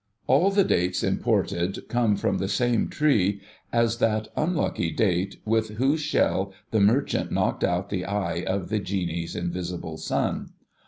All the dates imported come from the same tree as that unlucky date, with whose shell the merchant knocked out the eye of the genie's invisible son.